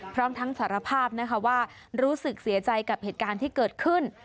พร้อมทั้งสารภาพนะคะว่ารู้สึกเสียใจกับเหตุการณ์ที่เกิดขึ้น